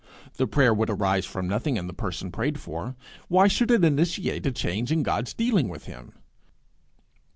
The prayer would arise from nothing in the person prayed for; why should it initiate a change in God's dealing with him?